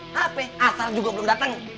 hp asal juga belum datang